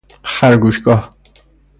خرگوشگاه